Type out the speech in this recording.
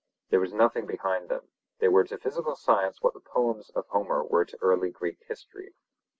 There was nothing behind them; they were to physical science what the poems of Homer were to early Greek history.